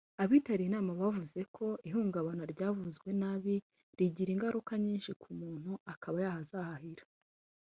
Abitabiriye iyi nama bavuze ko ihungabana ryavuwe nabi rigira ingaruka nyinshi ku muntu akaba yahazaharira